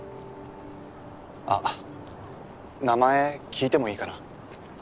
あっ名前聞いてもいいかな？